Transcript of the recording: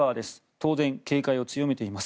当然、警戒を強めています。